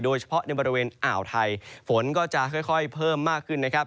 โดยเฉพาะในบริเวณอ่าวไทยฝนก็จะค่อยเพิ่มมากขึ้นนะครับ